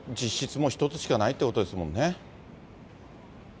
もう１つしかないということですもんね。